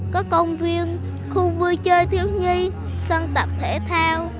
có công viên khu vui chơi thiếu nhi sân tập thể thao